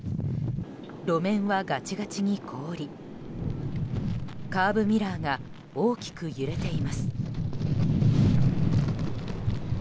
路面はガチガチに凍りカーブミラーが大きく揺れています。